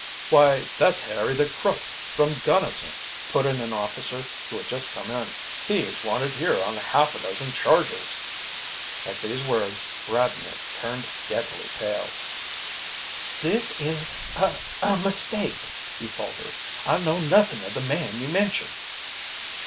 "Why, that's Harry the Crook, from Gunnison!" put in an officer who had just come in. "He is wanted here on half a dozen charges." At these words Bradner turned deadly pale. "This is a a mistake," he faltered. "I know nothing of the man you mention."